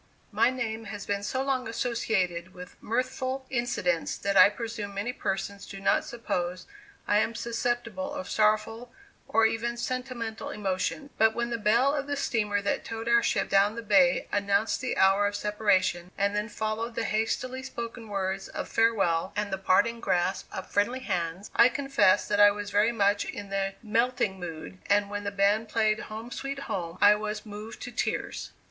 My name has been so long associated with mirthful incidents that I presume many persons do not suppose I am susceptible of sorrowful, or even sentimental emotions; but when the bell of the steamer that towed our ship down the bay announced the hour of separation, and then followed the hastily spoken words of farewell, and the parting grasp of friendly hands, I confess that I was very much in the "melting mood," and when the band played "Home, Sweet Home," I was moved to tears.